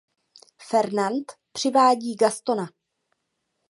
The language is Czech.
Fernand přivádí Gastona.